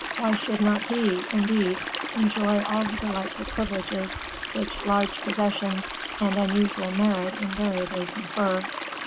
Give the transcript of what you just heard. why should not he, indeed, enjoy all the delightful privileges which large possessions and unusual merit invariably confer?